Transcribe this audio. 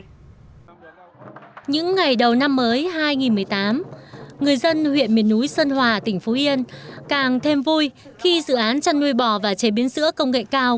những ngày đầu năm mới hai nghìn một mươi tám người dân huyện miền núi sơn hòa tỉnh phú yên càng thêm vui khi dự án chăn nuôi bò và chế biến sữa công nghệ cao